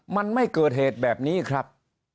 มันไม่เกิดเหตุแบบนี้ครับ